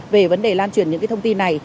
về vấn đề lan truyền những cái thông tin này